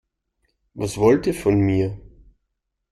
Was wollt ihr von mir?